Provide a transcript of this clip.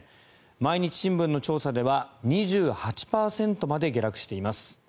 毎日新聞の調査では２８％まで下落しています。